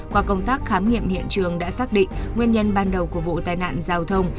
qua công tác khám nghiệm hiện trường đã xác định nguyên nhân ban đầu của vụ tai nạn giao thông